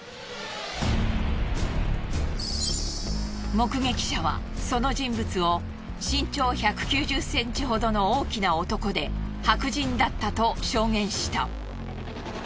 目撃者はその人物を身長１９０ｃｍほどの大きな男で白人だったと証言した。